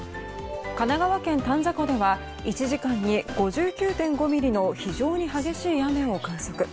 神奈川県丹沢湖では１時間に５９．５ミリの非常に激しい雨を観測。